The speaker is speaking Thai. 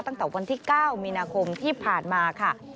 ตั้งแต่วันที่๙มีนาคมที่ผ่านมาค่ะ